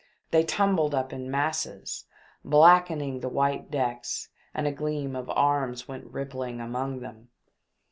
They tumbled up in masses, blackening the white decks, and a gleam of arms went rippling among them.